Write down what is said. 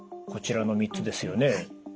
こちらの三つですよね。